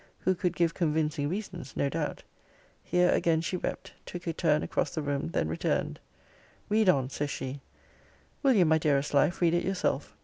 who could give convincing reasons, no doubt' Here again she wept; took a turn across the room; then returned Read on, says she Will you, my dearest life, read it yourself?